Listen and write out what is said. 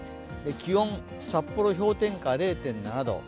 気温、札幌氷点下０．７度。